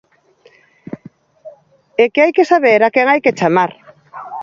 É que hai que saber a quen hai que chamar.